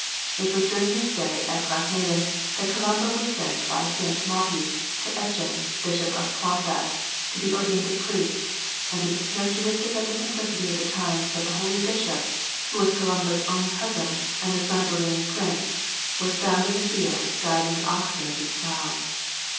It was during his stay at Glasnevin that Columba was sent by St. Mobhi to Etchen, Bishop of Clonfad, to be ordained a priest, and it is characteristic of the simplicity of the times that the holy bishop, who was Columba's own cousin, and the son of a reigning prince, was found in the fields guiding the oxen of his plough.